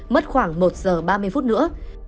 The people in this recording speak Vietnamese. mất khoảng một giờ ba mươi phút nữa